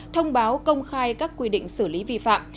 thông báo công khai các quy định xử lý vi phạm